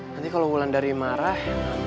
nanti kalo mulan dari marah